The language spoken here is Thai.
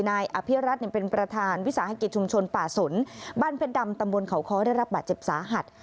นายอภิรัตนเป็นประธานวิสาหกิจชุมชนป่าสนบ้านเพชรดำตำบลเขาค้อได้รับบาดเจ็บสาหัส